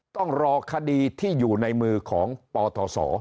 ต้องรอคดีที่อยู่ในมือของปทศ